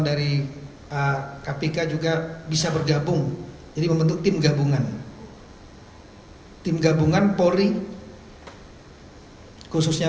dari kpk juga bisa bergabung jadi membentuk tim gabungan tim gabungan polri khususnya